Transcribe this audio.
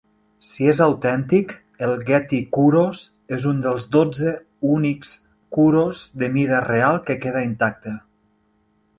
Si és autèntic, el Getty kouros és un dels dotze únics curos de mida real que queda intacte.